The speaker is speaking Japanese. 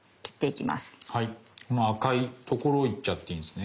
この赤いところを行っちゃっていいんですね。